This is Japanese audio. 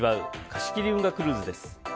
貸し切り運河クルーズです。